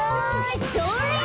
それ。